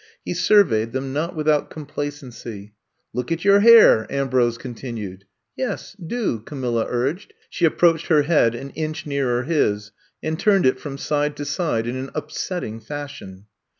He sur veyed them not without complacency. Look at your hairl'* Ambrose con tinued. Yes, do,*' Camilla urged. She ap proached her head an inch nearer his, and turned it from side to side in an upsetting fashion.